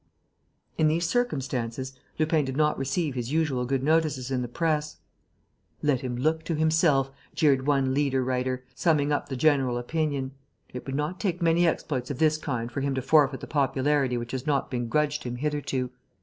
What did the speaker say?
In these circumstances, Lupin did not receive his usual good notices in the press: "Let him look to himself," jeered one leader writer, summing up the general opinion. "It would not take many exploits of this kind for him to forfeit the popularity which has not been grudged him hitherto.